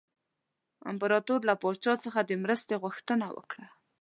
امپراطور له پاچا څخه د مرستې غوښتنه وکړه.